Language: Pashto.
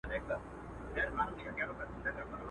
ماته د پېغلي کور معلوم دی.